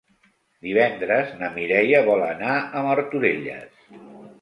Divendres na Mireia vol anar a Martorelles.